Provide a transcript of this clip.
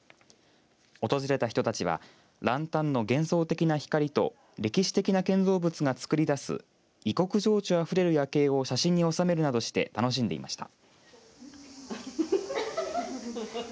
訪れた人たちはランタンの幻想的な光と歴史的な建造物がつくり出す異国情緒あふれる夜景を写真に収めるなどして楽しんでいました。